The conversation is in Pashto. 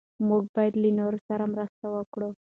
موږ باید له نورو سره مرسته وکړو.